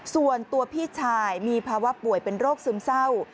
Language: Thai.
ส่วนตัวพี่ชายมีภาวะป่วยเป็นโรคซึมเศร้า